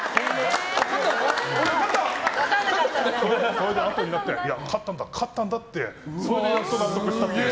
それであとになって勝ったのかってそれでやっと納得したっていう。